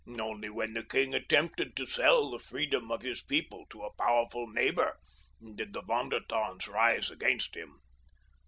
Only when the king attempted to sell the freedom of his people to a powerful neighbor did the Von der Tanns rise against him.